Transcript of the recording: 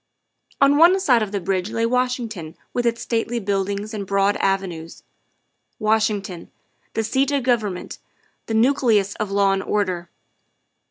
On one side of the bridge lay Washington with its stately buildings and broad avenues Washington, the seat of govern ment, the nucleus of law and order.